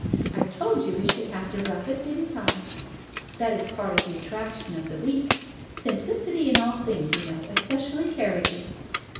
I told you we should have to rough it, didn't I? That is part of the attraction of the week. Simplicity in all things, you know, especially carriages.